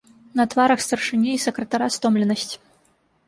На тварах старшыні і сакратара стомленасць.